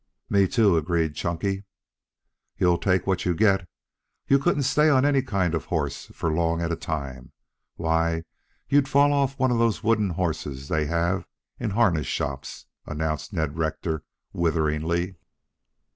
"Me too," agreed Chunky. "You'll take what you get. You couldn't stay on any kind of horse for long at a time. Why, you'd fall off one of those wooden horses that they have in harness shops," announced Ned Rector witheringly.